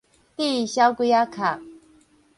戴小鬼仔殼